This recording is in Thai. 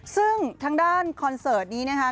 ซึ่งทางด้านคอนเสิร์ตนี้นะคะ